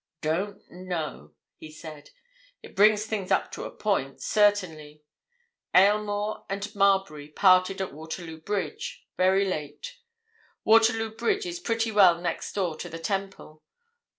"Don't know," he said. "It brings things up to a point, certainly. Aylmore and Marbury parted at Waterloo Bridge—very late. Waterloo Bridge is pretty well next door to the Temple.